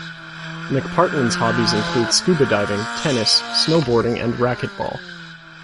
McPartlin's hobbies include scuba diving, tennis, snowboarding and racquetball.